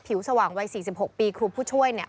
สว่างวัย๔๖ปีครูผู้ช่วยเนี่ย